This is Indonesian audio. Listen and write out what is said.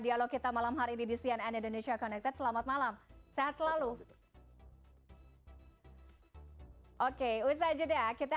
dialog kita malam hari di cnn indonesia connected selamat malam sehat selalu oke usah aja deh kita